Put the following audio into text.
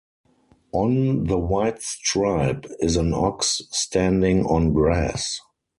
On the white stripe is an ox standing on grass.